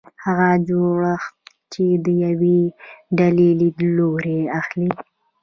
هغه جوړښت چې د یوې ډلې لیدلوری اخلي.